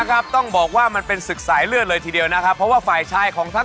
ขอต้อนรับก็สู่รายการที่หวานที่สุดในโลกนะครับ